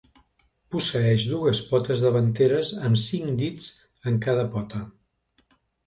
Posseeix dues potes davanteres amb cinc dits en cada pota.